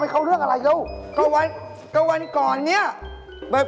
เมื่อกอนเดิม